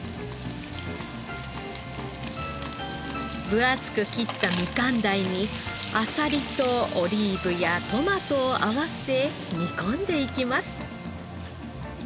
分厚く切ったみかん鯛にあさりとオリーブやトマトを合わせ煮込んでいきます。